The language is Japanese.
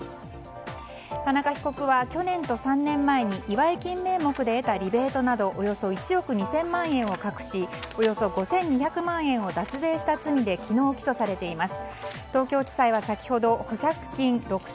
田中被告は去年と３年前に祝い金名目で得たリベートなどおよそ１億２０００万円を隠しおよそ５２００万円を脱税した罪で昨日、起訴されています。